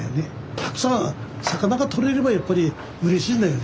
たくさん魚が取れればやっぱりうれしいんだよね。